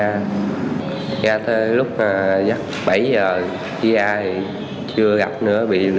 ra tới lúc bảy h khi ra thì chưa gặp nữa bị lượng chức năng này chi đuổi và bắt giữ